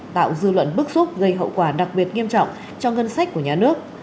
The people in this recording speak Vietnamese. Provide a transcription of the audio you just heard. tạo dư luận bức xúc gây hậu quả đặc biệt nghiêm trọng cho ngân sách của nhà nước